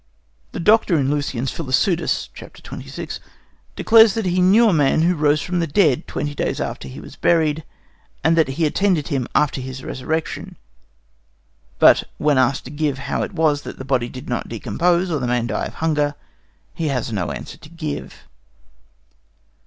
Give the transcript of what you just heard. The doctor in Lucian's Philopseudus (c. 26) declares that he knew a man who rose from the dead twenty days after he was buried, and that he attended him after his resurrection. But when asked how it was the body did not decompose or the man die of hunger, he has no answer to give.